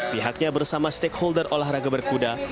pihaknya bersama stakeholder olahraga berkuda